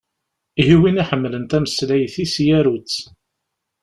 Ihi, win iḥemmlen tameslayt-is yaru-tt!